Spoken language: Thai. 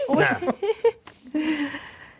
เอาอีกแล้วเหรอ